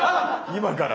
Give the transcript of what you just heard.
今から。